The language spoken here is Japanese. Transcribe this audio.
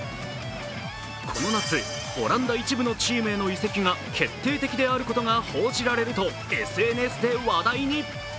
この夏、オランダ１部のチームへの移籍が決定的であることが報じられるとＳＮＳで話題に。